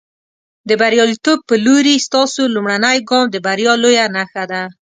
د برياليتوب په لورې، ستاسو لومړنی ګام د بریا لویه نښه ده.